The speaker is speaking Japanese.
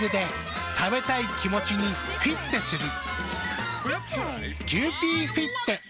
食べたい気持ちにフィッテする。